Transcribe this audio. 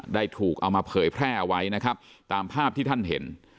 ได้ถูกเอามาเผยแพร่เอาไว้นะครับตามภาพที่ท่านเห็น